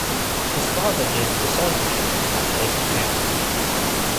His father gave him a sewing machine at the age of ten.